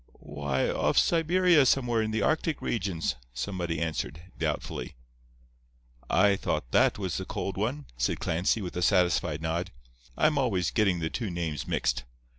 "Why, off Siberia somewhere in the Arctic regions," somebody answered, doubtfully. "I thought that was the cold one," said Clancy, with a satisfied nod. "I'm always gettin' the two names mixed.